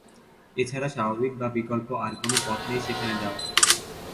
এ ছাড়া স্বাভাবিক বা বিকল্প আর কোনো পথ নেই সেখানে যাওয়ার।